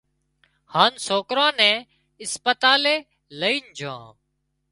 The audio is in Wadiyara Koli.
هانَ سوڪرا نين اسپتالئي لائينَ جھان